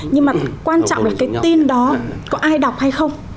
nhưng mà quan trọng là cái tin đó có ai đọc hay không